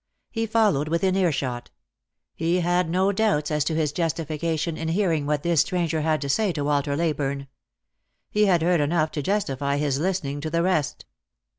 He followed within earshot. He had no doubts as to his ; i>tification in hearing what this stranger had to say to Walter 158 Lost for Love. Leyburne. He had heard enough to justify his listening to the rest.